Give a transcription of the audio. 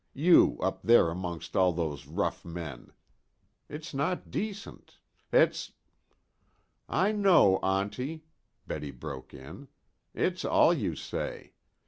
You up there amongst all those rough men. It's not decent. It's " "I know, auntie," Betty broke in. "It's all you say.